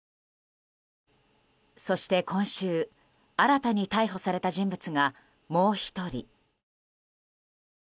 そして今週新たに逮捕された人物がもう１人。